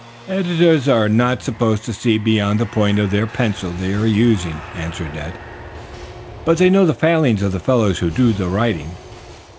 "Editors are not supposed to see beyond the point of the pencil they are using," answered Ned. "But they know the failings of the fellows who do the writing."